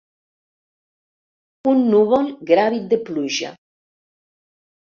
Un núvol gràvid de pluja.